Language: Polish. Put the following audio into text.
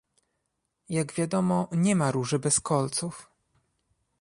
Jak wiadomo nie ma róży bez kolców